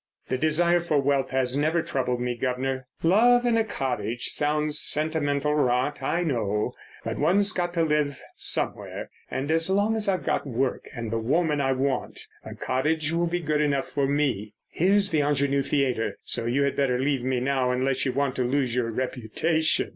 "The desire for wealth has never troubled me, guv'nor. Love in a cottage sounds sentimental rot, I know; but one's got to live somewhere, and as long as I've got work and the woman I want, a cottage will be good enough for me. Here's the Ingenue Theatre, so you had better leave me now unless you want to lose your reputation!"